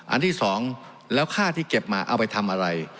อันที่สองแล้วค่าที่เก็บมาเอาไปทำอะไร